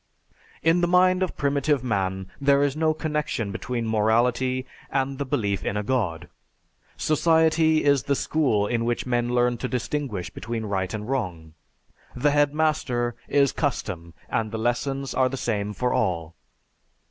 "_) In the mind of primitive man there is no connection between morality and the belief in a God. "Society is the school in which men learn to distinguish between right and wrong. The headmaster is custom and the lessons are the same for all.